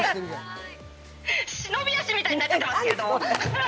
忍び足みたいになっちゃってますけど。